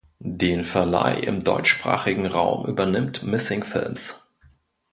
Den Verleih im deutschsprachigen Raum übernimmt Missing Films.